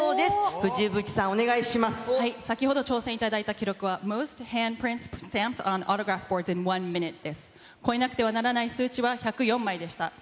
藤渕さん、先ほど挑戦いただいた記録は。超えなくてはならない数値は１０４枚でした。